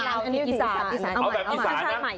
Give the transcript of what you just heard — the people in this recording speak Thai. อ๋อแบบอีสานนะ